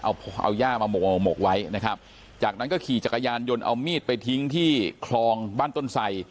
เอาเอาย่ามาหกมาหมกไว้นะครับจากนั้นก็ขี่จักรยานยนต์เอามีดไปทิ้งที่คลองบ้านต้นไส